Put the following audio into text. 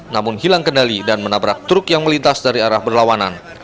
namun hilang kendali dan menabrak truk yang melintas dari arah berlawanan